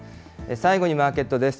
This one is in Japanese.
最後にマーケットです。